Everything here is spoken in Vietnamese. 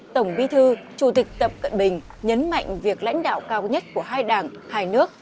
tổng bí thư chủ tịch tập cận bình nhấn mạnh việc lãnh đạo cao nhất của hai đảng hai nước